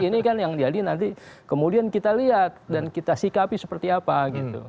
ini kan yang jadi nanti kemudian kita lihat dan kita sikapi seperti apa gitu